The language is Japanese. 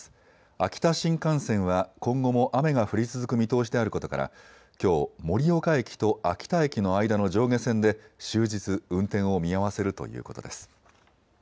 秋田新幹線は今後も雨が降り続く見通しであることからきょう盛岡駅と秋田駅の間の上下線で終日、運転を見合わせるということです。